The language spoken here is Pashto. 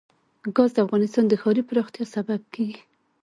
ګاز د افغانستان د ښاري پراختیا سبب کېږي.